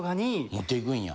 持っていくんや。